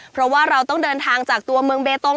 เพราะว่าเราต้องเดินทางจากตัวเมืองเบตง